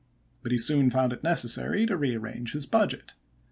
But he soon found it necessary to rearrange his budget.